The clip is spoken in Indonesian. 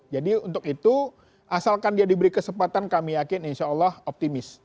jadi untuk itu asalkan dia diberi kesempatan kami yakin insya allah optimis